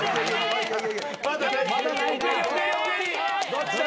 どっちだ？